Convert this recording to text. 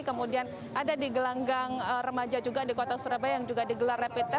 kemudian ada di gelanggang remaja juga di kota surabaya yang juga digelar rapid test